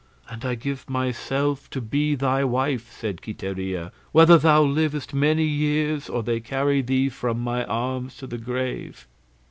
"And I give myself to be thy wife," said Quiteria, "whether thou livest many years, or they carry thee from my arms to the grave."